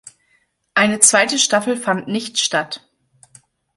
Eine zweite Staffel fand nicht statt.